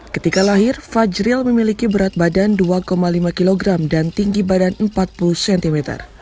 ketika lahir fajril memiliki berat badan dua lima kg dan tinggi badan empat puluh cm